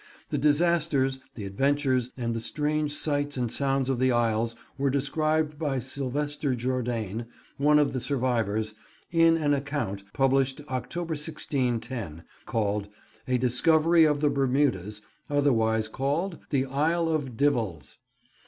The disasters, the adventures, and the strange sights and sounds of the isles were described by Sylvester Jourdain, one of the survivors, in an account published October 1610, called "A Discovery of the Bermudas, otherwise called the Isle of Divels."